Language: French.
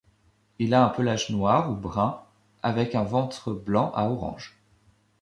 Il a un pelage noir ou brun avec un ventre blanc à orange.